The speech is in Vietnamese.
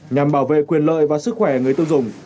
nhằm bảo vệ quyền lợi và sức khỏe người tiêu dùng